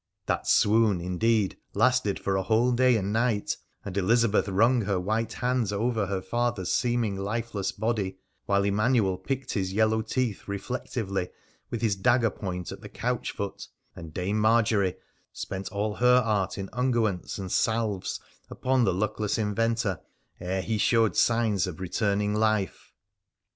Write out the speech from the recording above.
That swoon, indeed, lasted for a whole day and night ; and Elizabeth wrung her white hands over her father's seeming lifeless body, while Emanuel picked his yellow teeth reflectively with his dagger point at the couch foot and Dame Margery spent all her art in unguents and salves upon the luckless inventor ere he showed signs of re turning life.